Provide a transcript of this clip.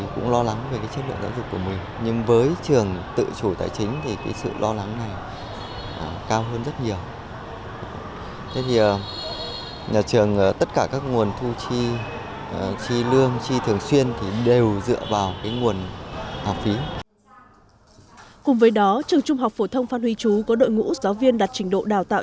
cùng với đó trường trung học phổ thông phan huy chú có đội ngũ giáo viên đặt trình độ đào tạo